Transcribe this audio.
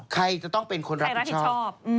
ใครจะต้องเป็นคนรับผิดชอบ